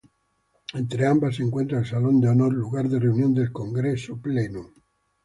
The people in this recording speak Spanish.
Entre ambas se encuentra el Salón de Honor, lugar de reunión del Congreso Pleno.